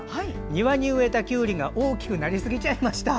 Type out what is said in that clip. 庭に植えたきゅうりが大きくなりすぎちゃいました。